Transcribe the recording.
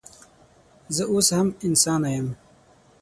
زه اوس هم انسانه یم